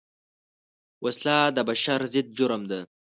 وسله د بشر ضد جرم ده